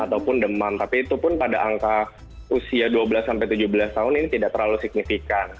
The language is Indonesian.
ataupun demam tapi itu pun pada angka usia dua belas sampai tujuh belas tahun ini tidak terlalu signifikan